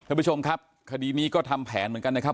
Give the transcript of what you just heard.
ท่านผู้ชมครับคดีนี้ก็ทำแผนเหมือนกันนะครับ